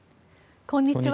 こんにちは。